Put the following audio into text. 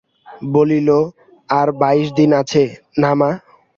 বলিল, আর বাইশ দিন আছে, না মা?